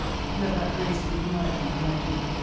Let that grace be denied me when I do.